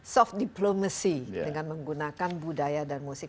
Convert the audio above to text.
soft diplomacy dengan menggunakan budaya dan musik